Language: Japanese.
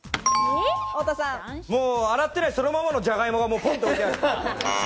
もう洗ってない、そのままのじゃがいもがポンと置いてある。